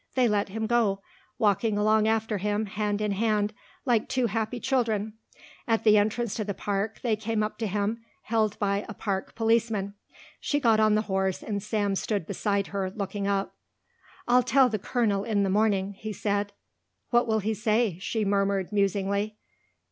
They let him go, walking along after him hand in hand like two happy children. At the entrance to the park they came up to him, held by a park policeman. She got on the horse and Sam stood beside her looking up. "I'll tell the colonel in the morning," he said. "What will he say?" she murmured, musingly.